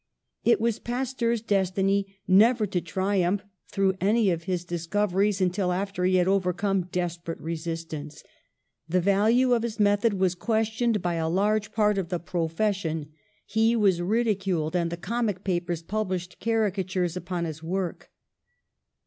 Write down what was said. It was Pasteur's destiny never to triumph through any of his discoveries until after he had overcome desperate resistance. The value of his method was questioned by a large part of the profession, he was ridiculed, and the comic papers published caricatures upon his work.